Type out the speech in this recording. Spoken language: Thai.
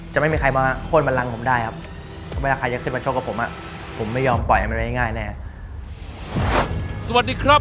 จะไม่มีใครมาโค้นมันรังผมได้ครับ